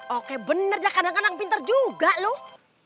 oke bener ya kadang kadang pinter juga loh